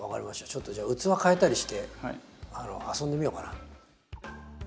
ちょっとじゃあ器替えたりして遊んでみようかな。